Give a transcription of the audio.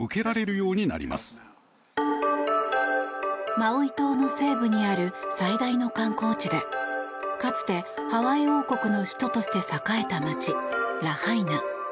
マウイ島の西部にある最大の観光地でかつてハワイ王国の首都として栄えた街ラハイナ。